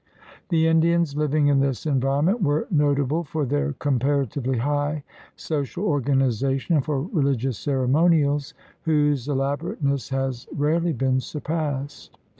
The Indians living in this environment were notable for their comparatively high social organization and for religious ceremonials whose elaborateness has rarely been surpassed.